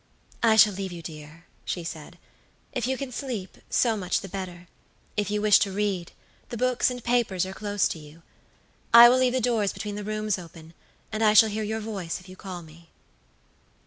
"I shall leave you, dear," she said. "If you can sleep, so much the better. If you wish to read, the books and papers are close to you. I will leave the doors between the rooms open, and I shall hear your voice if you call me."